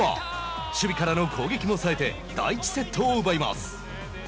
守備からの攻撃もさえて第１セットを奪います。